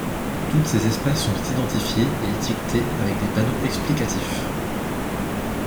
Toutes ces espèces sont identifiées et étiquetées avec des panneaux explicatifs.